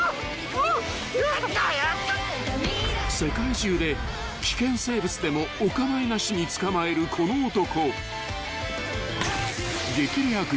［世界中で危険生物でもお構いなしに捕まえるこの男］